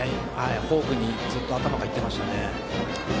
フォークにずっと頭が行ってましたね。